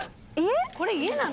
これ家なの？